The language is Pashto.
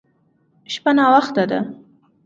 شپه ناوخته ده.